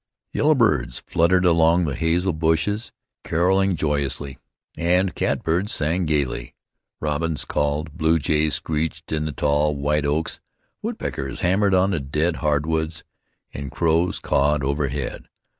Yellow birds flitted among the hazel bushes caroling joyously, and cat birds sang gaily. Robins called; bluejays screeched in the tall, white oaks; wood peckers hammered in the dead hard woods, and crows cawed overhead.